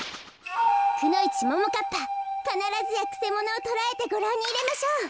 くのいちももかっぱかならずやくせものをとらえてごらんにいれましょう。